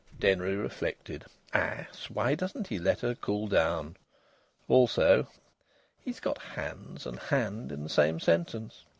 Denry reflected: "Ass! Why doesn't he let her cool down?" Also: "He's got 'hands' and 'hand' in the same sentence.